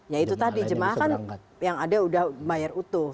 ya itu tadi jemaah kan yang ada sudah bayar utuh